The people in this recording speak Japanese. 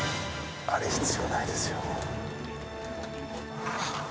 あれ必要ないですよ。